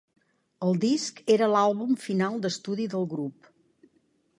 El disc era l'àlbum final d'estudi del grup.